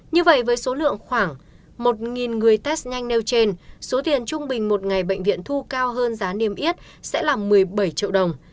như vậy với số lượng khoảng một người test nhanh nêu trên số tiền trung bình một ngày bệnh viện thu cao hơn giá niêm yết sẽ là một mươi bảy triệu đồng